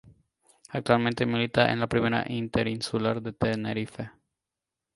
Actualmente milita en la Primera Interinsular de Tenerife.